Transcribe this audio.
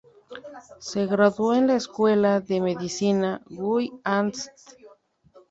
Se graduó en la escuela de medicina "Guys and St.